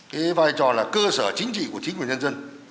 cái vai trò là cơ sở chính trị của chính quyền nhân dân